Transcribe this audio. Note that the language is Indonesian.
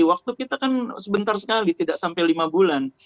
waktu kita kan sebentar sekali tidak sampai lima bulan